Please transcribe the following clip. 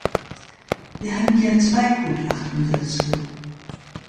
Wir hatten ja zwei Gutachten dazu.